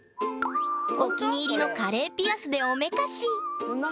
お気に入りのカレーピアスでおめかしほんと？